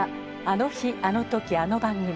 「あの日あのときあの番組」。